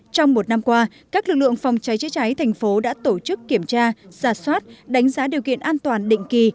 trong một năm qua các lực lượng phòng cháy chữa cháy thành phố đã tổ chức kiểm tra giả soát đánh giá điều kiện an toàn định kỳ